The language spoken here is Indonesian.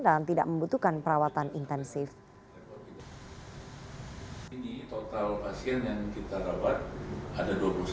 dan tidak membutuhkan perawatan intensif